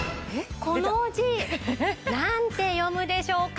この字なんて読むでしょうか？